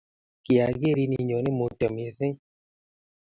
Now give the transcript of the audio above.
kyageerin inyone Mutyo missing